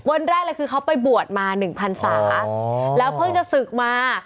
วันแรกเลยคือเขาไปบวชมา๑พันศาแล้วเพิ่งจะศึกมา